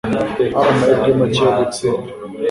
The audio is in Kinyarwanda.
Hari amahirwe make yo gutsinda.